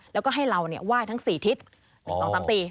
แล้วก็ให้เราว่ายทั้ง๔ทิศ๑๒๓ตี